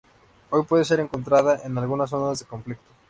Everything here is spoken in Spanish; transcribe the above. Hoy puede ser encontrada en algunas zonas de conflicto.